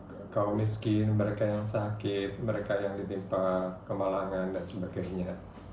mereka kaum miskin mereka yang sakit mereka yang ditimpa kemalangan dan sebagainya